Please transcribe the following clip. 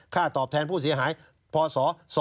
ตอบแทนผู้เสียหายพศ๒๕๖